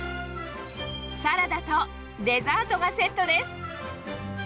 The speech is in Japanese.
サラダとデザートがセットです。